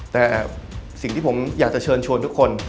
แต่สิ่งที่ผมอยากจะเชิญชวนทุกคน